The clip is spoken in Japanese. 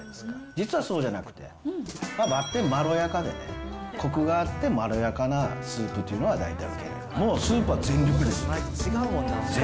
実はそうじゃなくて、ばってんまろやかで、コクがあってもまろやかなスープというのが大体で、もうスープは全力です！